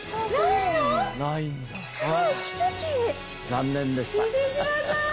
残念でした。